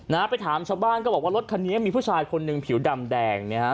นะฮะไปถามชาวบ้านก็บอกว่ารถคันนี้มีผู้ชายคนหนึ่งผิวดำแดงนะฮะ